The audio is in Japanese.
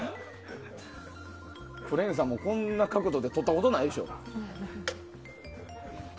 クレーンさんも、こんな角度で撮ったことないでしょ。